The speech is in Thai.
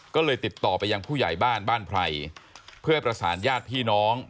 ก็เลยติดต่อไปยังผู้ใหญ่บ้านบ้านไพรเพื่อให้ประสานญาติพี่น้อง